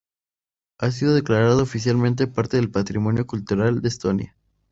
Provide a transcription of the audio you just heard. Ha sido declarado oficialmente parte del patrimonio cultural de Estonia.